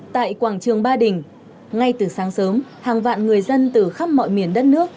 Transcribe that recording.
tại quảng trường ba đình ngay từ sáng sớm hàng vạn người dân từ khắp mọi miền đất nước